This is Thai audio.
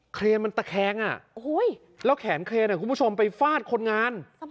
เครนมันตะแคงแล้วแขนเครนคุณผู้ชมไปฟาดคนงาน